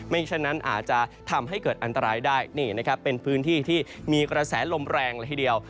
ฉะนั้นอาจจะทำให้เกิดอันตรายได้นี่นะครับเป็นพื้นที่ที่มีกระแสลมแรงเลยทีเดียว